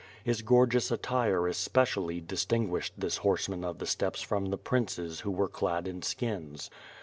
His gorgeous attire especially, distinguished this horseman of the steppes from the princes who were clad in skins.